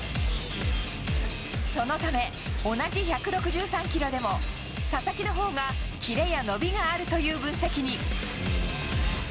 そのため、同じ１６３キロでも佐々木のほうがキレや伸びがあるという分析に。